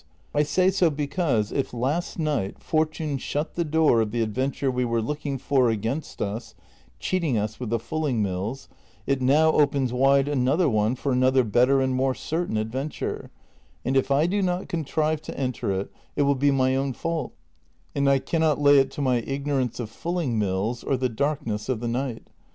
^ I say so because if last night fortune shut the door of the adventure we were looking for against us, cheating us with the fulling mills, it now opens wide another one for another better and more certain adventure, and if I do not contrive to enter it, it will be my own fault, and I cannot lay it to my ignorance of fulling mills, or the darkness of the night.